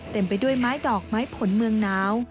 เต็มไปด้วยไม้ดอกไม้ผลเมืองหนาว